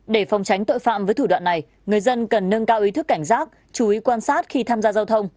để phòng tránh tội phạm với thủ đoạn này người dân cần nâng cao ý thức cảnh giác chú ý quan sát khi tham gia giao thông